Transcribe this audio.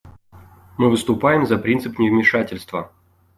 Мы выступаем за принцип невмешательства.